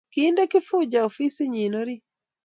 Kiinde Kifuja ofisinyi orit